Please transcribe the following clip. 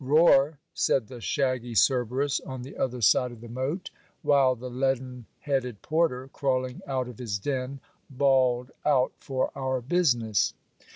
Roar, said the shaggy Cerberus on the other side of the moat; while the leaden headed porter, crawling out of his den, bawled out for our business.